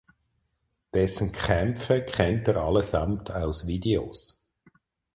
Dessen Kämpfe kennt er allesamt aus Videos.